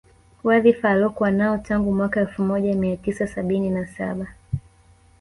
Wadhifa Aliokuwa nao tangu mwaka elfu moja mia tisa sabini na saba